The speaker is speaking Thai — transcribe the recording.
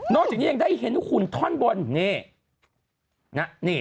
จากนี้ยังได้เห็นหุ่นท่อนบนนี่